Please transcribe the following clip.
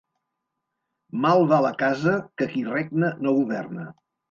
Mal va la casa que qui regna no governa.